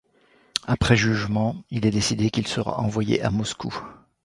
Après jugement, il est décidé qu'il sera envoyé à Moscou.